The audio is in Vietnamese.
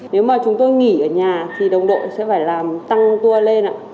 nếu mà chúng tôi nghỉ ở nhà thì đồng đội sẽ phải làm tăng tour lên ạ